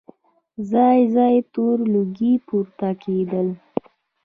ځای ځای تور لوګي پورته کېدل.